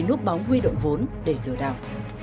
núp bóng huy động vốn để lừa đảo